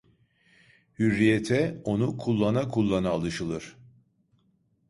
Hürriyete, onu kullana kullana alışılır.